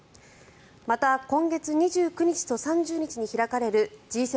また今月２９日と３０日に開かれるＧ７